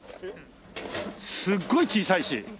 すっごい小さいし。